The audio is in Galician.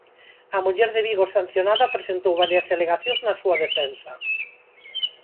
A muller de Vigo sancionada presentou varias alegacións na súa defensa.